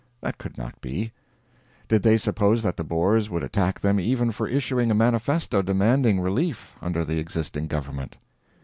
That could not be. Did they suppose that the Boers would attack them even for issuing a Manifesto demanding relief under the existing government?